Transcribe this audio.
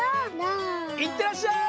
いってらっしゃい！